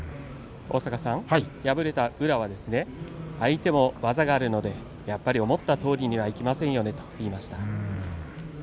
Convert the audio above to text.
敗れた宇良は相手も技があるので、やっぱり思ったとおりにはいきませんよねと言いました。